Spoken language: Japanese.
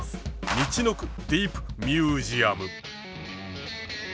みちのくディープミュージアム。